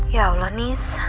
ya allah nis